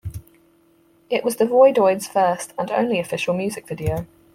It was the Voidoids' first and only official music video.